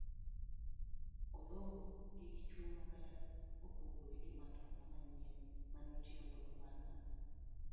Olombo gi gichuny maler kopopgore gi matoka manyien mane otiyo godo mar kambi.